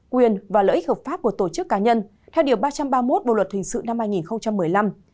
quyền và lợi ích hợp pháp của tổ chức cá nhân theo điều ba trăm ba mươi một bộ luật hình sự năm hai nghìn một mươi năm